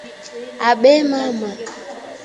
Abee mama